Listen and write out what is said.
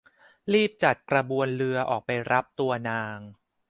รีบจัดกระบวนเรือออกไปรับตัวนาง